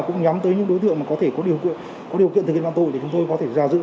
có điều kiện thực hiện bản tội thì chúng tôi có thể giả dự